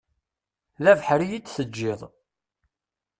D abeḥri i d-teǧǧiḍ.